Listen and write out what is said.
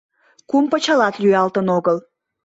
Кум пычалат лӱялтын огыл.